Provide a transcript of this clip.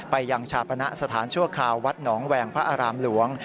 ยังชาปณะสถานชั่วคราววัดหนองแหวงพระอารามหลวง